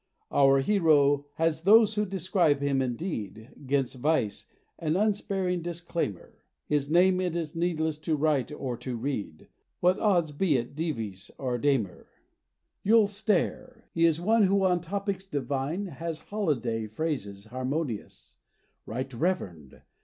Our hero has those who describe him indeed, 'Gainst Vice an unsparing declaimer; His name it is needless to write or to read, What odds be it Dives or Damer! You'll stare! he is one who on topics divine, Has holiday phrases harmonious; Right Reverend!